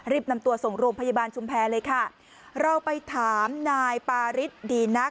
นำตัวส่งโรงพยาบาลชุมแพรเลยค่ะเราไปถามนายปาริสดีนัก